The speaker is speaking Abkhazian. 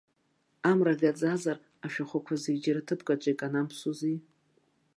Амра гаӡазар ашәахәақәа зегь џьара ҭыԥк аҿы иканамԥсози!